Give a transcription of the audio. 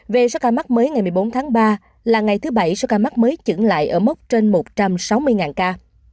về số ca mắc mới ngày một mươi bốn tháng ba là ngày thứ bảy số ca mắc mới chứng lại ở mốc trên một trăm sáu mươi ca